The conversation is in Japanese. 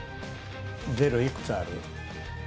ゼロいくつある？